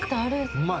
うまい！